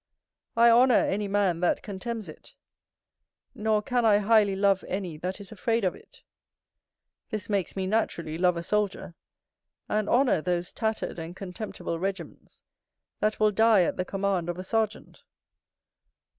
I honour any man that contemns it; nor can I highly love any that is afraid of it: this makes me naturally love a soldier, and honour those tattered and contemptible regiments, that will die at the command of a sergeant.